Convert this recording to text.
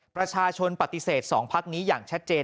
ประชาชนปฏิเสธ๒พักนี้อย่างชัดเจน